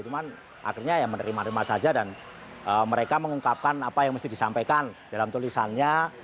cuman akhirnya ya menerima terima saja dan mereka mengungkapkan apa yang mesti disampaikan dalam tulisannya